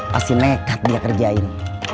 pasti nekat dia kerjain